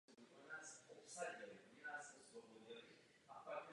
Ve městě si lze po postavení Obchodu s artefakty pro hrdinu nějaký zakoupit.